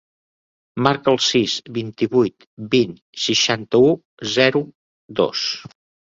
Marca el sis, vint-i-vuit, vint, seixanta-u, zero, dos.